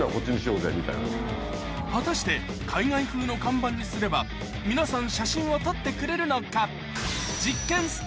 果たして海外風の看板にすれば皆さん写真を撮ってくれるのか？